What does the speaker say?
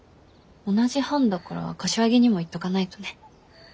同じ班だから柏木にも言っとかないとね。